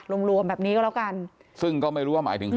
รวมรวมแบบนี้ก็แล้วกันซึ่งก็ไม่รู้ว่าหมายถึงใคร